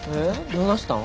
どないしたん？